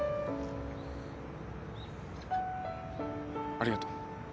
ありがとう。